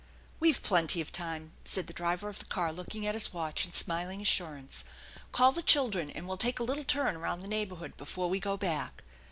" We've plenty of time," said the driver of the car, looking at his watch and smiling assurance. " Call the children, and we'll take a little turn around the neighborhood before we go back."